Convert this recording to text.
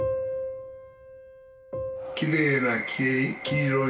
きれいな黄色い菊の花。